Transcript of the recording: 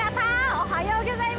おはようギョざいます！